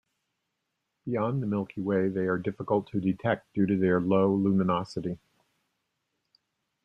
Beyond the Milky Way they are difficult to detect due to their low luminosity.